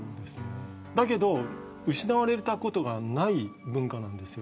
だけど、失われたことがない文化なんです。